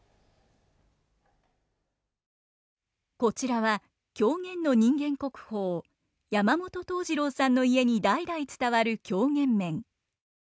こちらは狂言の人間国宝山本東次郎さんの家に代々伝わる狂言面。